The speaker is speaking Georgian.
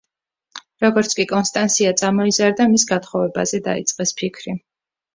როგორც კი კონსტანსია წამოიზარდა მის გათხოვებაზე დაიწყეს ფიქრი.